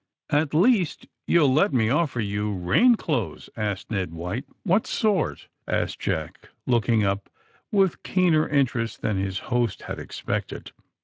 ^^At least, you'll let me offer you rain clothes?" asked Ned White. *^What sort!" asked Jack, looking up with keener interest than his host had expected.